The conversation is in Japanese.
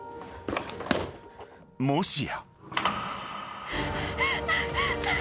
［もしや］